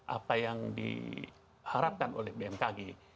apa yang diharapkan oleh bmkg